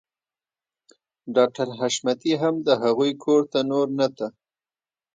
ډاکټر حشمتي هم د هغوی کور ته نور نه ته